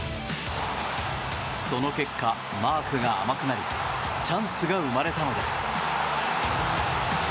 その結果、マークが甘くなりチャンスが生まれたのです。